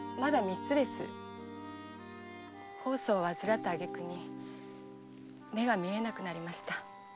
疱瘡を患った挙げ句に目が見えなくなりました。